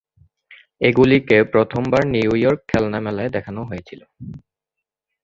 এগুলিকে প্রথমবার নিউইয়র্ক খেলনা মেলায় দেখানো হয়েছিল।